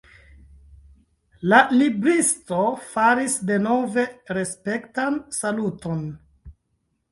La libristo faris denove respektan saluton.